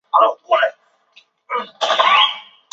车站门口亦设有出租车站点。